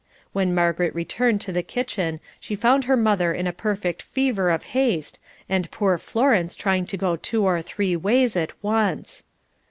When Margaret returned to the kitchen she found her mother in a perfect fever of haste, and poor Florence trying to go two or three ways at once.